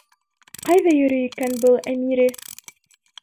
Ҡайҙа йөрөй икән был Әмире?